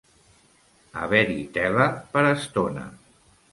Haver-hi tela per estona.